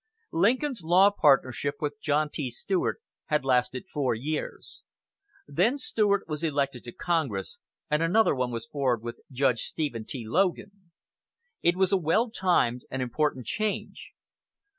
Lincoln's law partnership with John T. Stuart had lasted four years. Then Stuart was elected to Congress, and another one was formed with Judge Stephen T. Logan. It was a well timed and important change.